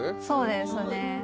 そうですね。